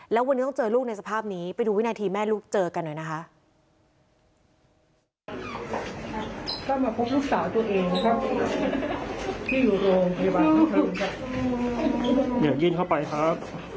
แล้ววันนี้ต้องเจอลูกในสภาพนี้ไปดูวินาทีแม่ลูกเจอกันหน่อยนะคะ